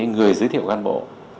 người giới thiệu cán bộ